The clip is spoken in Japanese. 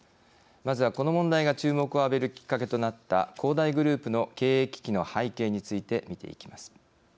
まずは、この問題が注目を浴びるきっかけとなった恒大グループの経営危機の背景について見ていきます。